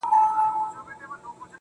زه خو دا يم ژوندی يم_